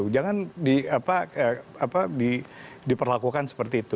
jangan diperlakukan seperti itu